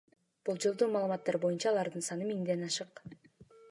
Болжолдуу маалыматтар боюнча, алардын саны миңден ашык.